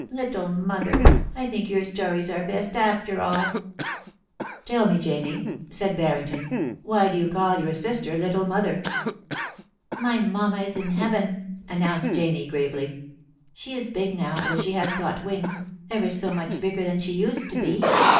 Little mother, I think your stories are best after all.' * Tell me, Janie,' said Barrington, * why do you call your sister Little Mother.' *My mamma is in heaven,' announced Janie, gravely. * She is big now that she has got wings — ever so much bigger than she used to be.